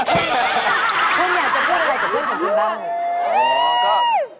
คุณอยากจะพูดอะไรกับเพื่อนของคุณบ้าง